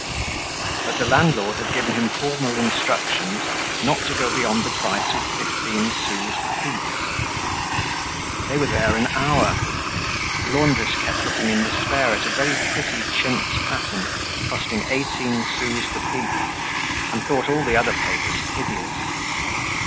But the landlord had given him formal instructions not to go beyond the price of fifteen sous the piece. They were there an hour. The laundress kept looking in despair at a very pretty chintz pattern costing eighteen sous the piece, and thought all the other papers hideous.